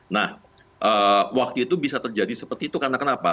nah waktu itu bisa terjadi seperti itu karena kenapa